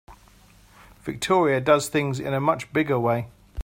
Victoria does things in a much bigger way.